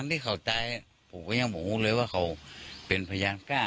ที่เขาตายผมก็ยังบอกเลยว่าเขาเป็นพยานกล้า